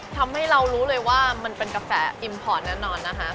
ทำให้เรารู้เลยว่ามันเป็นกาแฟอิมพอร์ตแน่นอนนะคะ